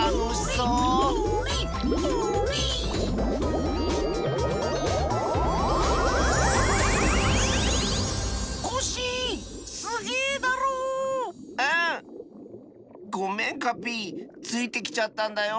うん！ごめんカピイついてきちゃったんだよ。